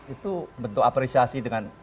itu bentuk apresiasi dengan